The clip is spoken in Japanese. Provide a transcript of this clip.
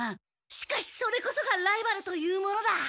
しかしそれこそがライバルというものだ。